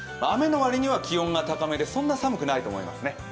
雨の割には気温が高めでそんなに寒くないと思います。